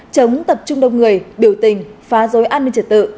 chống tập trung đông người biểu tình phá dối an ninh trật tự